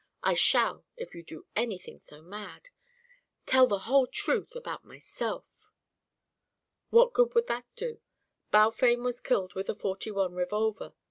I shall if you do anything so mad tell the whole truth about myself." "What good would that do? Balfame was killed with a forty one revolver.